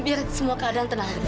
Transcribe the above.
biar semua keadaan tenang